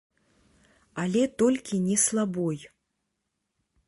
Але толькі не слабой.